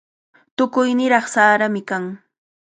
Tukuy niraq sarami kan.